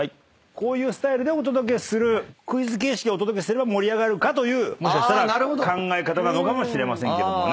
こういうスタイルでお届けするクイズ形式でお届けすれば盛り上がるかというもしかしたら考え方なのかもしれませんけどね。